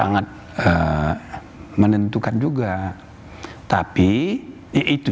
sangat eh eh menentukan juga tapi itu